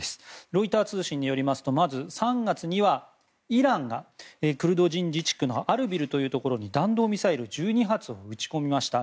ロイター通信によりますとまず３月にはイランがクルド人自治区のアルビルというところに弾道ミサイル１２発を撃ち込みました。